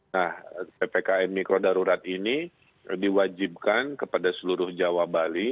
nah ppkm mikro darurat ini diwajibkan kepada seluruh jawa bali